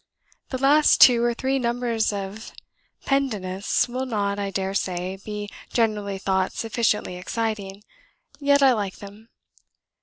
The last two or three numbers of Pendennis will not, I dare say, be generally thought sufficiently exciting, yet I like them.